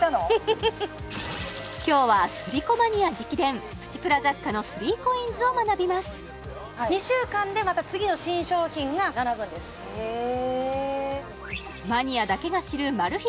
今日はスリコマニア直伝プチプラ雑貨の３ＣＯＩＮＳを学びますへえマニアだけが知るマル秘